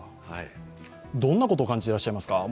どんなことを感じてらっしゃいますか？